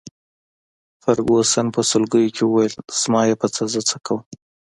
فرګوسن په سلګیو کي وویل: زما يې په څه، زه څه کوم.